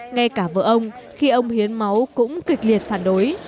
ngay cả vợ ông khi ông hiến máu cũng kịch liệt phản đối